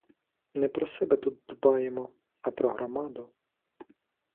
Не про себе тут дбаємо, а про громаду.